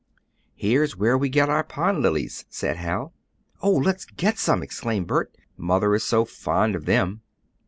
"Here's where we get our pond lilies," said Hal. "Oh, let's get some!" exclaimed Bert. "Mother is so fond of them."